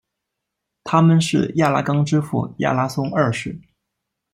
他们是亚拉冈之父亚拉松二世。